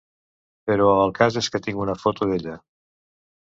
Però el cas és que tinc una foto d'ella.